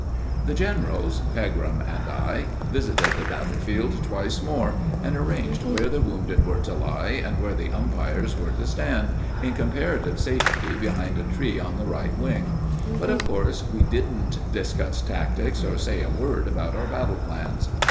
The generals Pegram and I visited the battlefield twice more, and arranged where the wounded were to lie and where the umpires were to stand, in comparative safety behind a tree on the right wing; but, of course, we didn't discuss tactics or say a word about our battle plans.